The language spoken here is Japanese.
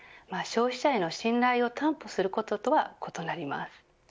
消費者への信頼を担保することとは異なります。